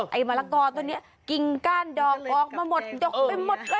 ไอ้มะละกอตัวนี้กิ่งก้านดอกออกมาหมดดอกไปหมดเลย